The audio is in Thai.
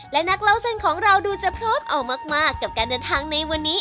และนักเล่าเส้นของเราดูจะพร้อมเอามากกับการเดินทางในวันนี้